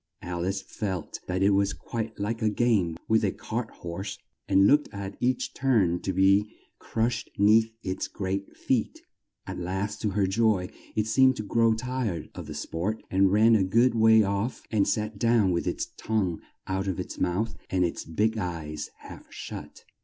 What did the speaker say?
Al ice felt that it was quite like a game with a cart horse, and looked at each turn to be crushed 'neath its great feet. At last, to her joy, it seemed to grow tired of the sport and ran a good way off and sat down with its tongue out of its mouth and its big eyes half shut.